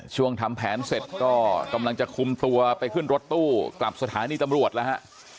ทำแผนเสร็จก็กำลังจะคุมตัวไปขึ้นรถตู้กลับสถานีตำรวจแล้วฮะ